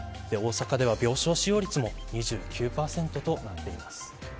大阪では、病床使用率も２９％となっています。